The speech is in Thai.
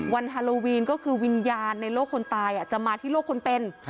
ฮาโลวีนก็คือวิญญาณในโลกคนตายจะมาที่โลกคนเป็น